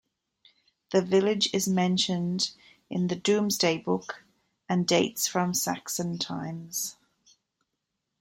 The village is mentioned in the "Domesday Book" and dates from Saxon times.